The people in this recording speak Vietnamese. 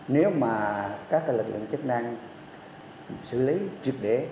nếu mà các lực lượng chức năng xử lý trực đế